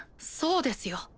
そうですよ